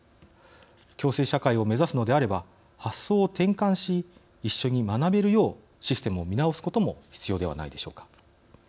共生社会を目指すのであれば発想を転換し一緒に学べるようシステムを見直すことも必要ではないでしょうか。